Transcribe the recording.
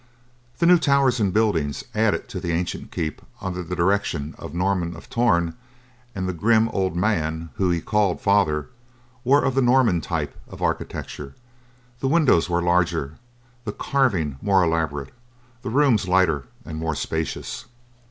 The new towers and buildings added to the ancient keep under the direction of Norman of Torn and the grim, old man whom he called father, were of the Norman type of architecture, the windows were larger, the carving more elaborate, the rooms lighter and more spacious.